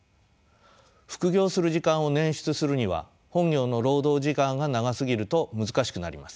副業する時間を捻出するには本業の労働時間が長すぎると難しくなります。